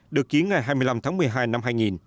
được ký ngày hai mươi năm tháng một mươi hai năm hai nghìn